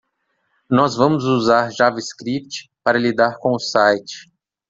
Nós vamos usar JavaScript para lidar com o site.